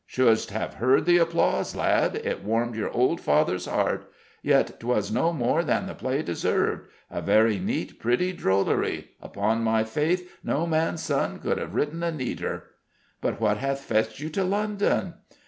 "Shouldst have heard the applause, lad; it warmed your old father's heart. Yet 'twas no more than the play deserved. A very neat, pretty drollery upon my faith, no man's son could have written a neater!" "But what hath fetched you to London?"